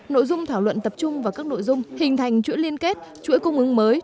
nội dung thảo luận tập trung vào các nội dung hình thành chuỗi liên kết chuỗi cung ứng mới